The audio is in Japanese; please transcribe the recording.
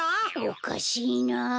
おかしいなあ。